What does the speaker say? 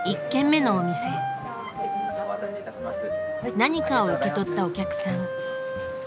何かを受け取ったお客さん。